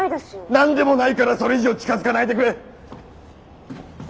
何でもないからそれ以上近づかないでくれッ！